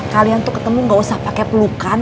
kalian tuh ketemu gak usah pakai pelukan